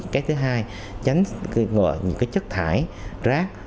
cái thứ hai tránh những chất thải rác